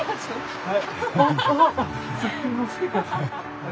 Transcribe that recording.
はい。